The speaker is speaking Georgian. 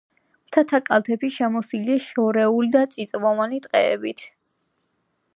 მთათა კალთები შემოსილია შერეული და წიწვოვანი ტყეებით.